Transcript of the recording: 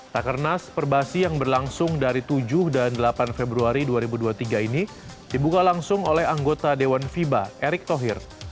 tak kernas perbasi yang berlangsung dari tujuh dan delapan februari dua ribu dua puluh tiga ini dibuka langsung oleh anggota dewan fiba erick thohir